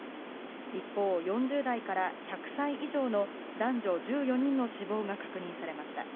一方、４０代から１００歳以上の男女１４人の死亡が確認されました。